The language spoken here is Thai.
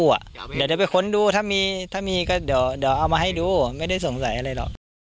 เดี๋ยวไปค้นดูถ้ามีก็เดี๋ยวเอามาให้ดูไม่ได้สงสัยอะไรหรอก